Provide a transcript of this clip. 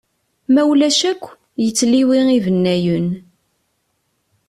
Ma ulac akk, yettliwi ibennayen.